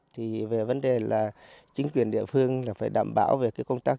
thì vấn đề là chính quyền địa phương phải đảm bảo về công tác